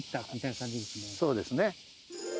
そうですね。